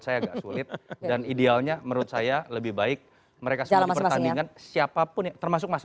saya agak sulit dan idealnya menurut saya lebih baik mereka sudah dipertandingkan siapapun termasuk mas